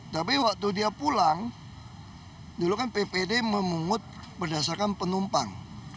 tapi waktu dia pulang dulu kan ppd memungut berdasarkan penumpang